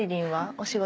お仕事